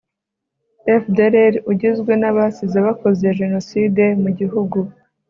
FDLR ugizwe n abasize bakoze Jenoside mu gihugu